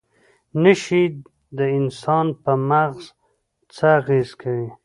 نشې د انسان په مغز څه اغیزه کوي؟